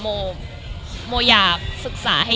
มันคิดว่าจะเป็นรายการหรือไม่มี